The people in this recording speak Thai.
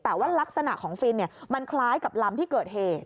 แต่ว่ารักษณะของฟินมันคล้ายกับลำที่เกิดเหตุ